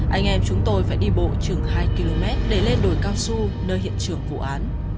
anh em chúng tôi phải đi bộ chừng hai km để lên đồi cao su nơi hiện trường vụ án